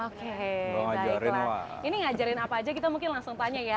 oke baiklah ini ngajarin apa aja kita mungkin langsung tanya ya